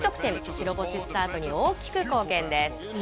白星スタートに大きく貢献です。